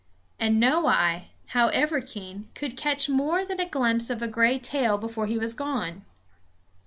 And no eye, however keen, could catch more than a glimpse of a gray tail before he was gone.